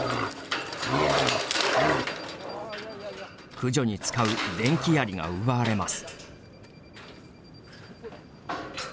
駆除に使う電気やりが奪われます。